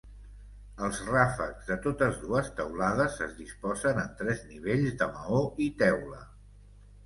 Els ràfecs de totes dues teulades es disposen en tres nivells de maó i teula.